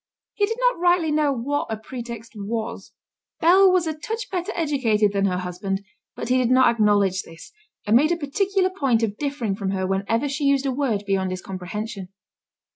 He did not rightly know what a 'pretext' was: Bell was a touch better educated than her husband, but he did not acknowledge this, and made a particular point of differing from her whenever she used a word beyond his comprehension.